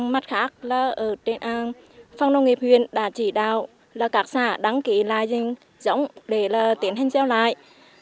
mặt khác phòng nông nghiệp huyện đã chỉ đạo các xã đăng ký dòng để tiến hành gieo lại